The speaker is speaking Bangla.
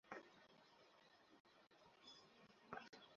বৃষ্টির ভেতর দু-একজন অস্থির হয়ে ওঠে, তারা বেরিয়ে পড়ে প্যান্ট গুটিয়ে।